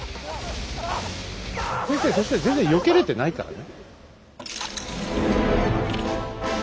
先生そして全然よけれてないからね。